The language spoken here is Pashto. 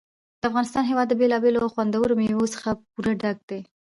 د افغانستان هېواد له بېلابېلو او خوندورو مېوو څخه پوره ډک دی.